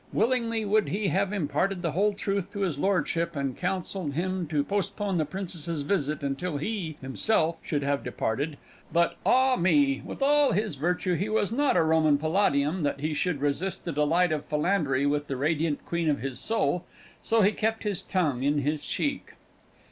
Willingly would he have imparted the whole truth to his Lordship and counselled him to postpone the Princess's visit until he, himself, should have departed but, ah me! with all his virtue he was not a Roman Palladium that he should resist the delight of philandery with the radiant queen of his soul. So he kept his tongue in his cheek.